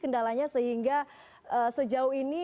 kendalanya sehingga sejauh ini